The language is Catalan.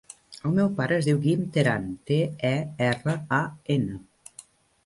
El meu pare es diu Guim Teran: te, e, erra, a, ena.